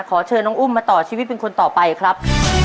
ขอเชิญน้องอุ้มมาต่อชีวิตเป็นคนต่อไปครับ